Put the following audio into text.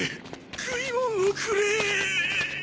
食いもんをくれ。